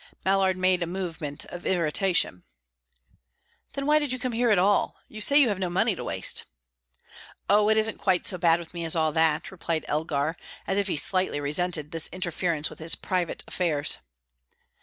Mallard made a movement of irritation. "Then why did you come here at all? You say you have no money to waste." "Oh, it isn't quite so bad with me as all that," replied Elgar, as if he slightly resented this interference with his private affairs.